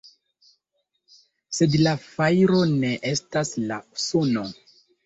Sed la fajro ne estas la suno.